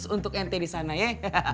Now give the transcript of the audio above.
untuk nt di sana ya